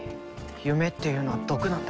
夢っていうのは毒なんだ。